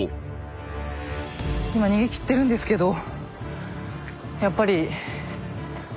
今逃げ切ってるんですけどやっぱり。